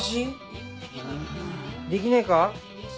できねえか？